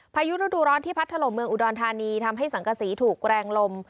พายุฤดูร้อนที่พัดถล่มเมืองอุดรธานีทำให้สังกษีถูกแรงลม